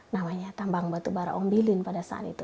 namanya tambang batu bara ombilin pada saat itu